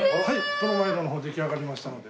プロマイドの方出来上がりましたので。